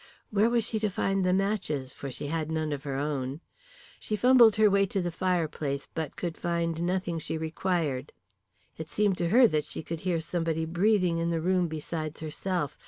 Where was she to find the matches, for she had none of her own? She fumbled her way to the fireplace, but could find nothing she required. It seemed to her that she could hear somebody breathing in the room besides herself.